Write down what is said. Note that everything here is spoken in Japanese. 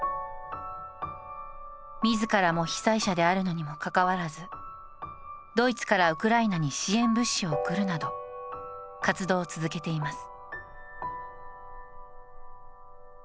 自らも被災者であるのにもかかわらずドイツからウクライナに支援物資を送るなど活動を続けています。